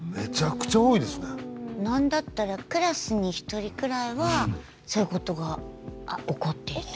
何だったらクラスに１人くらいはそういうことが起こっている。